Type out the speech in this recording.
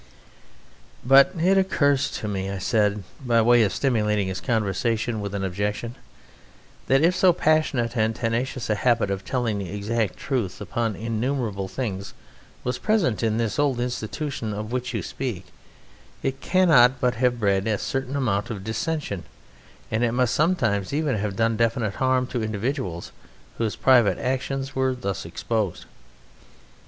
"But it occurs to me," said I, by way of stimulating his conversation with an objection, "that if so passionate and tenacious a habit of telling the exact truth upon innumerable things was present in this old institution of which you speak, it cannot but have bred a certain amount of dissension, and it must sometimes even have done definite harm to individuals whose private actions were thus exposed."